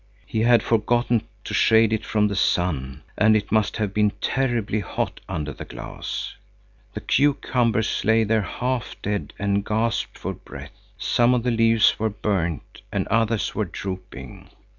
He had forgotten to shade it from the sun, and it must have been terribly hot under the glass. The cucumbers lay there half dead and gasped for breath; some of the leaves were burnt, and others were drooping.